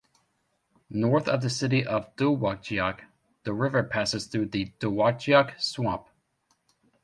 North of the city of Dowagiac, the river passes through the "Dowagiac Swamp".